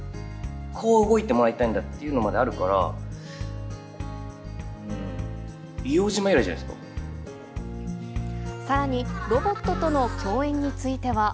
こう動いてもらいたいんだっていうものまであるから、さらにロボットとの共演については。